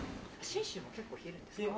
信州も結構冷えるんですね。